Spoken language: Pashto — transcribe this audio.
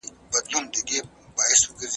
د کلي د کلا تاریخ له پېړیو راهیسې ژوندی دی.